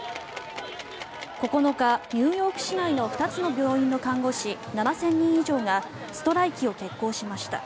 ９日、ニューヨーク市内の２つの病院の看護師７０００人以上がストライキを決行しました。